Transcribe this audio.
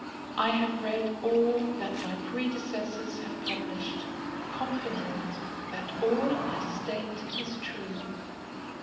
I have read all that my predecessors have published confident that all I state is true.